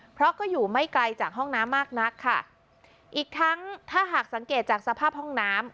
เพราะก็อยู่ไม่ไกลจากห้องน้ำมากนักค่ะอีกทั้งถ้าหากสังเกตจากสภาพห้องน้ำ